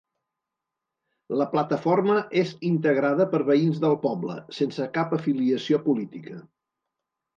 La plataforma és integrada per veïns del poble, sense cap afiliació política.